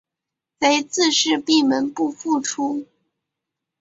贼自是闭门不复出。